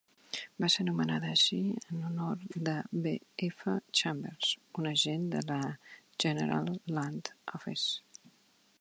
Va ser anomenada així en honor de B. F. Chambers, un agent de la General Land Office.